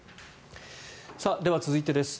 では、続いてです。